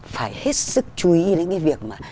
phải hết sức chú ý đến cái việc